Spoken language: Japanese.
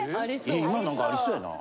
今なんかありそうやな。